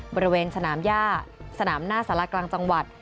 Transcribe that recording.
บริเวณสนามย่าสนามหน้าสารากลางจังหวัด